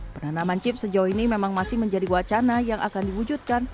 penanaman chip sejauh ini memang masih menjadi wacana yang akan diwujudkan